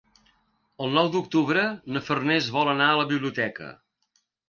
El nou d'octubre na Farners vol anar a la biblioteca.